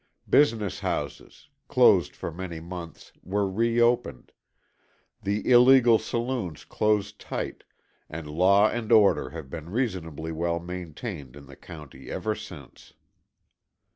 Business houses, closed for many months, were reopened, the illegal saloons closed tight, and law and order have been reasonably well maintained in the county ever since.